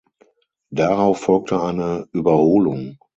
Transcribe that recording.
Darauf folgte eine Überholung.